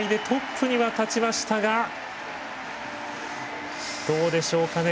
この段階でトップには立ちましたがどうでしょうかね。